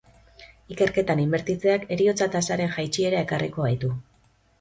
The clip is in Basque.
Ikerketan inbertitzeak heriotza-tasaren jaitsiera ekarriko baitu.